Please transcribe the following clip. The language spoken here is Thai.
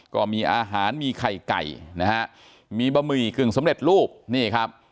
ก็มีอาหารมีไข่ไก่นะฮะมีบะหมี่กึ่งสำเร็จรูปนี่ครับ